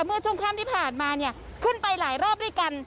เมื่อช่วงค่ำที่ผ่านมาเนี่ยขึ้นไปหลายรอบด้วยกัน